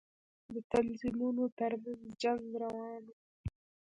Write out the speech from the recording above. د تنظيمونو تر منځ جنگ روان و.